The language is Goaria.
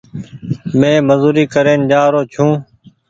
مينٚ مزوري ڪرين جآرو ڇو